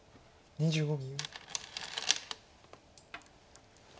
２５秒。